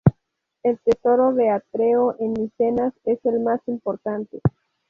El Tesoro de Atreo, en Micenas es el más importante.